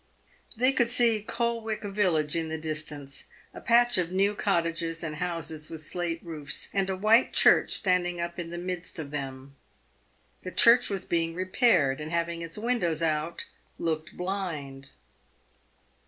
They could see Colwick village in the distance — a patch of new cottages and houses with slate roofs, and a w r hite church standing up in the midst of them. The church was being repaired, and having its windows out, looked blind.